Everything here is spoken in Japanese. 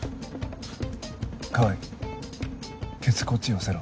川合ケツこっち寄せろ。